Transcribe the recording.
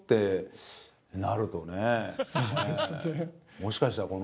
もしかしたらこの。